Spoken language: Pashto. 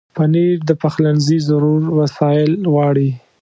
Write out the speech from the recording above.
پنېر د پخلنځي ضرور وسایل غواړي.